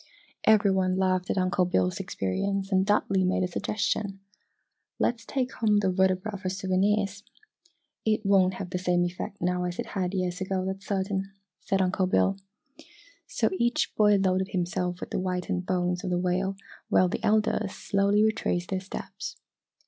Every one laughed at Uncle Bill's experience and Dudley made a suggestion. "Let's take home the vertebra for souvenirs!" "It won't have the same effect now as it had years ago, that's certain," said Uncle Bill. So each boy loaded himself with the whitened bones of the whale while the elders slowly retraced their steps.